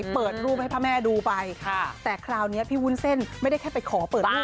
เปิดรูปให้พระแม่ดูไปแต่คราวนี้พี่วุ้นเส้นไม่ได้แค่ไปขอเปิดรูป